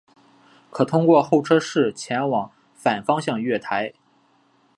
可通过候车室前往反方向月台。